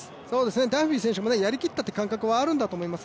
ダンフィー選手もやりきったという感覚はあると思います。